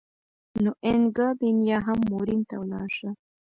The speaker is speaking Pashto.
نو اینګادین یا هم مورین ته ولاړ شه.